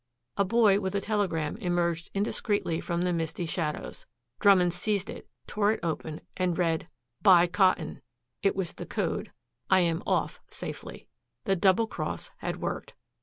A boy with a telegram emerged indiscreetly from the misty shadows. Drummond seized it, tore it open, and read, "Buy cotton." It was the code: "I am off safely." The double cross had worked.